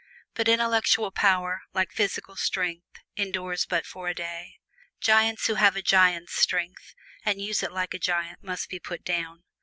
But intellectual power, like physical strength, endures but for a day. Giants who have a giant's strength and use it like a giant must be put down.